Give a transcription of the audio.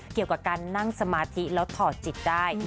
เกี่ยวกับการนั่งสมาธิแล้วถอดจิตได้